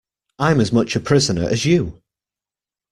I'm as much a prisoner as you.